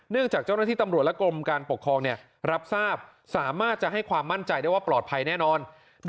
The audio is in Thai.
จากเจ้าหน้าที่ตำรวจและกรมการปกครองรับทราบสามารถจะให้ความมั่นใจได้ว่าปลอดภัยแน่นอน